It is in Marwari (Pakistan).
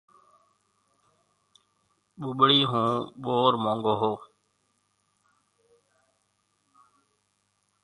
ٻُٻڙِي ھون ٻور مونگو ھو